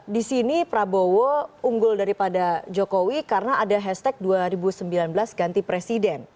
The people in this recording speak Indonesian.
di sini prabowo unggul daripada jokowi karena ada hashtag dua ribu sembilan belas ganti presiden